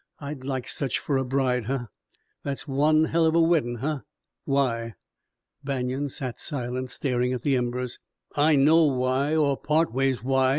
I'd like such fer a bride, huh? That's one hell of a weddin', huh? Why?" Banion sat silent, staring at the embers. "I know why, or part ways why.